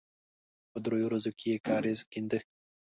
په دریو ورځو کې یې کاریز کېنده.